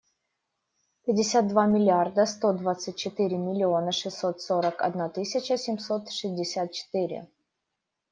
Пятьдесят два миллиарда сто двадцать четыре миллиона шестьсот сорок одна тысяча семьсот шестьдесят четыре.